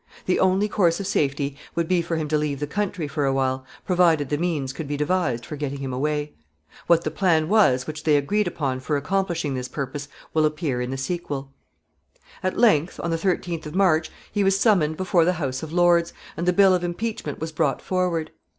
The only course of safety would be for him to leave the country for a while, provided the means could be devised for getting him away. What the plan was which they agreed upon for accomplishing this purpose will appear in the sequel. [Sidenote: He is arraigned.] [Sidenote: Suffolk's defense.] [Sidenote: He appeals to the king.] At length, on the thirteenth of March, he was summoned before the House of Lords, and the bill of impeachment was brought forward.